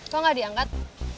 kok gak diangkat